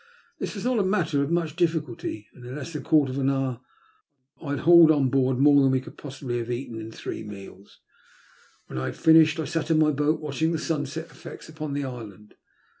This was not a matter of much difficulty, and in less than a quarter of an hour I had hauled on board more than we could possibly have eaten in three meals. When I had finished, I sat in my boat watching the sunset effects upon the island.